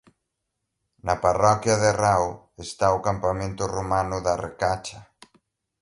Na parroquia de Rao está o Campamento romano da Recacha.